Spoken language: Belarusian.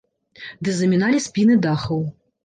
Ды заміналі спіны дахаў.